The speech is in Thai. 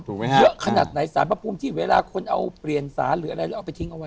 เยอะขนาดไหนสารพระภูมิที่เวลาคนเอาเปลี่ยนสารหรืออะไรแล้วเอาไปทิ้งเอาไว้